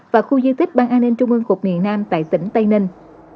và khu di tích ban an ninh trung ương cục miền nam tại tỉnh tây ninh